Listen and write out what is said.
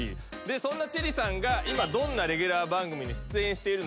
そんな千里さんが今どんなレギュラー番組に出演しているのか？